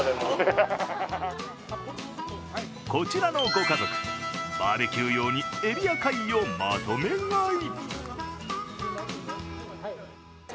こちらの御家族、バーベキュー用に、エビや貝をまとめ買い。